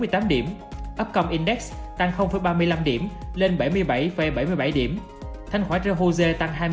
tăng một hai trăm linh bảy bốn mươi tám điểm upcom index tăng ba mươi năm điểm lên bảy mươi bảy bảy mươi bảy điểm thanh khóa tre jose tăng hai mươi hai